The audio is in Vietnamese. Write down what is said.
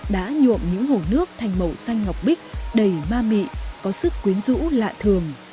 đã nhuộm những hồ nước thành màu xanh ngọc bích đầy ma mị có sức quyến rũ lạ thường